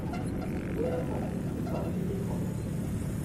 Im Urlaub hat Ute Farbe bekommen.